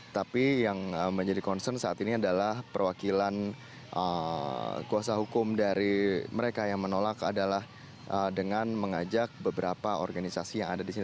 tapi yang menjadi concern saat ini adalah perwakilan kuasa hukum dari mereka yang menolak adalah dengan mengajak beberapa organisasi yang ada di sini